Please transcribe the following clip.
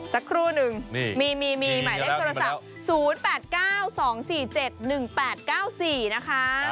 สักครู่นึงมีหมายเลขโทรศัพท์๐๘๙๒๔๗๑๘๙๔นะคะ